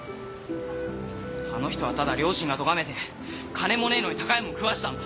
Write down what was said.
あの人はただ良心が咎めて金もねえのに高いもん食わせたんだ！